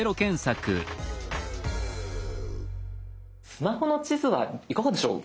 スマホの地図はいかがでしょう？